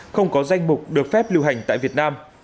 không có danh mục được phép lưu hành tại vị trí